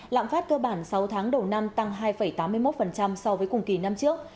lạm phát cơ bản sáu tháng đầu năm tăng hai tám mươi một so với cùng kỳ năm trước